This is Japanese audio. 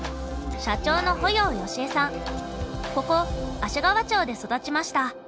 ここ芦川町で育ちました。